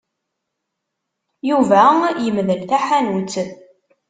Yuba yemdel taḥanut.